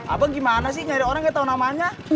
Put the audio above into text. abang gimana sih gak ada orang yang tau namanya